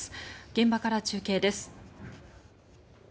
現場から中継です。